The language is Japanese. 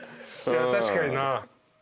確かにな。